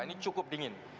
ini cukup dingin